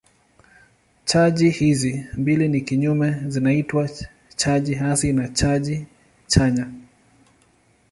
Chaji hizi mbili ni kinyume zinaitwa chaji hasi na chaji chanya.